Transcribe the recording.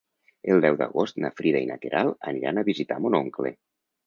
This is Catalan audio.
El deu d'agost na Frida i na Queralt aniran a visitar mon oncle.